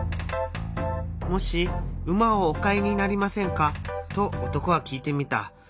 「もし馬をお買いになりませんか？」と男は聞いてみた。